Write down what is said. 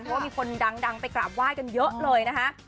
เพราะว่ามีคนดังไปกราบไหว้กันเยอะเลยนะคะ